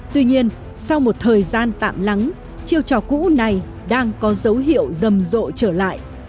tuy nhiên sau một thời gian tạm lắng chiêu trò cũ này đang có dấu hiệu rầm rộ trở lại